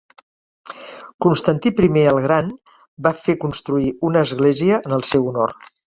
Constantí I el Gran va fer construir una església en el seu honor.